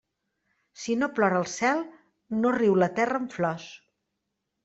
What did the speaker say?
Si no plora el cel, no riu la terra amb flors.